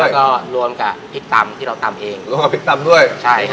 แล้วก็รวมกับพริกตำที่เราตำเองรวมกับพริกตำด้วยใช่ครับ